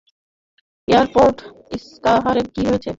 Airport ইস্তাহারের কী হয়েছে?